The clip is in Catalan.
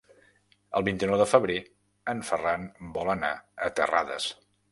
El vint-i-nou de febrer en Ferran vol anar a Terrades.